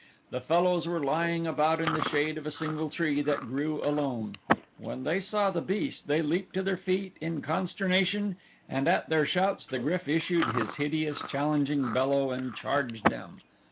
The fellows were lying about in the shade of a single tree that grew alone. When they saw the beast they leaped to their feet in consternation and at their shouts the GRYF issued his hideous, challenging bellow and charged them.